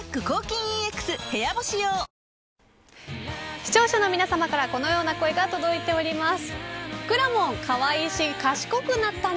視聴者の皆さまからこのような声が届いています。